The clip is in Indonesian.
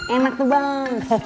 enak tuh bang